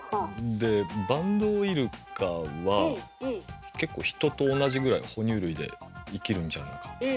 でバンドウイルカは結構人と同じぐらいは哺乳類で生きるんじゃなかったかな。